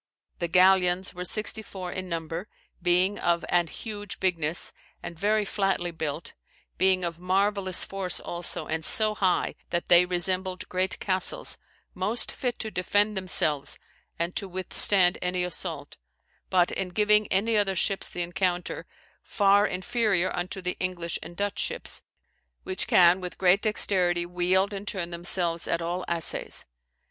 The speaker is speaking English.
"The galeons were 64 in number, being of an huge bignesse, and very flately built, being of marveilous force also, and so high, that they resembled great castles, most fit to defend themselves and to withstand any assault, but in giving any other ships the encounter farr inferiour unto the English and Dutch ships, which can with great dexteritie weild and turne themselves at all assayes.